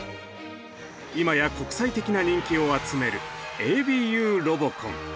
今や国際的な人気を集める「ＡＢＵロボコン」。